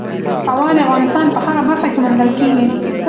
هوا د افغانستان په هره برخه کې موندل کېږي.